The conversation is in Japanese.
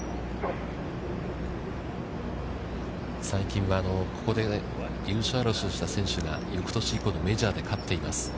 最近はここで優勝争いをした選手が翌年以降のメジャーで勝っています。